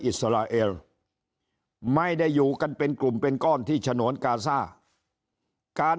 อิสราเอลไม่ได้อยู่กันเป็นกลุ่มเป็นก้อนที่ฉนวนกาซ่าการ